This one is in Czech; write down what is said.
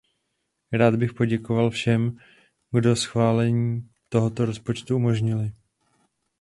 Rád bych poděkoval všem, kdo schválení tohoto rozpočtu umožnili.